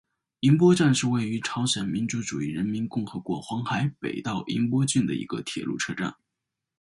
银波站是位于朝鲜民主主义人民共和国黄海北道银波郡的一个铁路车站。